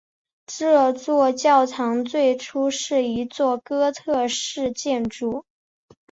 这座教堂最初是一座哥特式建筑。